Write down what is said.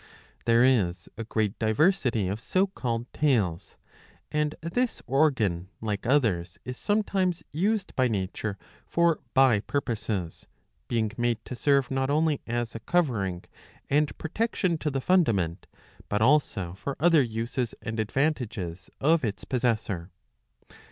There is a great diversity of so called tails; and this organ like others*^ is sometimes used by nature for bye purposes, being made to serve not only as a covering and protection to the fundament, but also for other uses and advantages of its possessor.